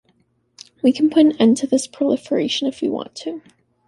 We can put an end to this proliferation if we want to.